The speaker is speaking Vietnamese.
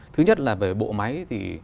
thứ nhất là về bộ máy thì